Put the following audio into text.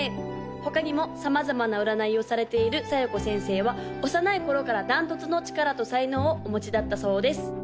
他にも様々な占いをされている小夜子先生は幼い頃から断トツの力と才能をお持ちだったそうです